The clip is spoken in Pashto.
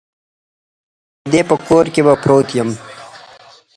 د ده په کور کې به پروت یم.